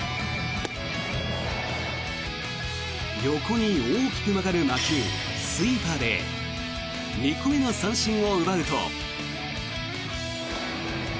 横に大きく曲がる魔球スイーパーで２個目の三振を奪うと。